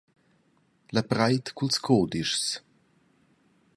La preit cun ils cudischs.